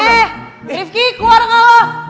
eh rifki keluar dengan lo